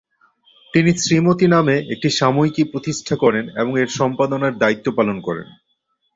তিনি শ্রীমতি নামে একটি সাময়িকী প্রতিষ্ঠা করেন এবং এর সম্পাদনার দায়িত্ব পালন করেন।